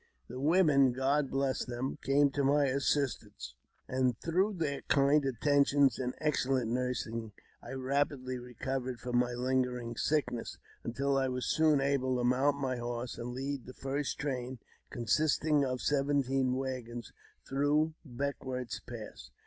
The women, God bless them ! came to my assistance, and through their kind attentions and excellent nursing I rapidly recovered from my lingering sickness, until I was soon able to mount my horse, and lead the first train, consisting of seventeen waggons, through " Beckwourth's Pass."